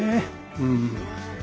うん。